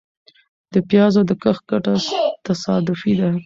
د پيازو د کښت ګټه تصادفي ده .